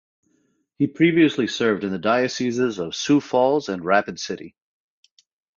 He previously served in the dioceses of Sioux Falls and Rapid City.